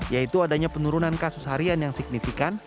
yaitu adanya penurunan kasus harian yang signifikan